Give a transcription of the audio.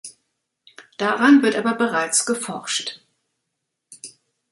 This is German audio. Daran wird aber bereits geforscht.